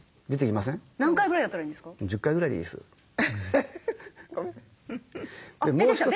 何回ぐらいやったらいいんですか？